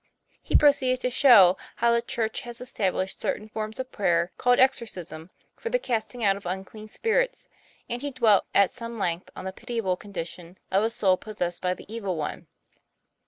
He proceeded to show how TOM PLA YFAIR. 73 Church has established certain forms of prayer, called exorcism, for the casting out of unclean spirits; and he dwelt at some length on the pitiable condition of a soul possessed by the evil one.